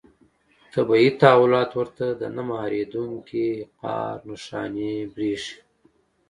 طبیعي تحولات ورته د نه مهارېدونکي قهر نښانې برېښي.